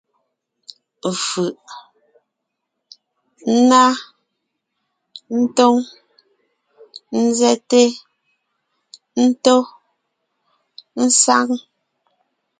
Fʉʼ: ńná, ńtóŋ, ńzɛ́te, ńtó, ésáŋ.